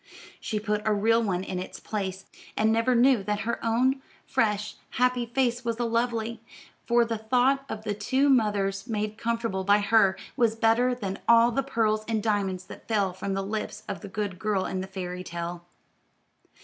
She put a real one in its place, and never knew that her own fresh, happy face was as lovely; for the thought of the two mothers made comfortable by her was better than all the pearls and diamonds that fell from the lips of the good girl in the fairy tale.